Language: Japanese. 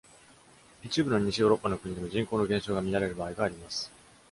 一部の西ヨーロッパの国でも、人口の減少が見られる場合があります。